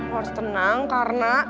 lo harus tenang karena